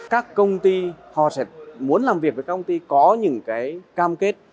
các công ty họ sẽ muốn làm việc với công ty có những cam kết